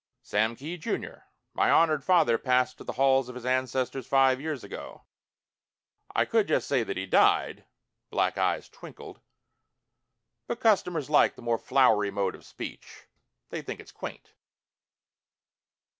"Sam Kee, junior. My honored father passed to the halls of his ancestors five years ago. I could just say that he died " black eyes twinkled "but customers like the more flowery mode of speech. They think it's quaint."